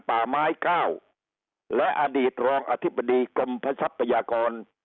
ป่าไม้เก้าและอดีตรองอธิบดีกรมพระทรัพยากร